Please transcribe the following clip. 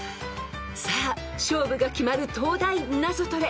［さあ勝負が決まる東大ナゾトレ］